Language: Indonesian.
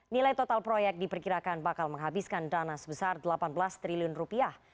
nilai total proyek diperkirakan bakal menghabiskan dana sebesar delapan belas triliun rupiah